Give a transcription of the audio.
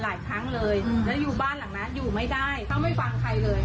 หลายครั้งเลยแล้วอยู่บ้านหลังนั้นอยู่ไม่ได้เขาไม่ฟังใครเลย